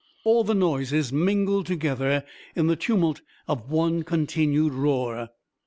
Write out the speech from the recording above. All the noises mingled together in the tumult of one continued roar.